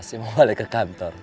masih mau balik ke kantor